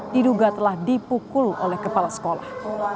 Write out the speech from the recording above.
diduga telah dipukul oleh kepala sekolah